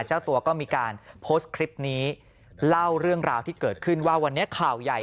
เจ้าตัวก็มีการโพสต์คลิปนี้เล่าเรื่องราวที่เกิดขึ้นว่าวันนี้ข่าวใหญ่